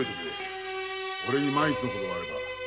俺に万一のことがあれば。